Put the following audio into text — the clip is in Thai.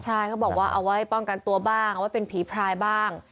ใช่เขาบอกว่าเอาไว้ป้องกันตัวบ้างเอาไว้เป็นผีพรายบ้าง